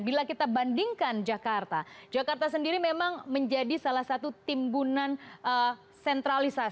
bila kita bandingkan jakarta jakarta sendiri memang menjadi salah satu timbunan sentralisasi